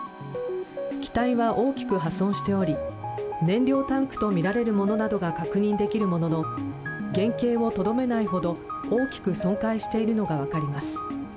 機体は大きく破損しており、燃料タンクとみられるものなどが確認できるものの原形をとどめないほど大きく損壊しているのが分かります。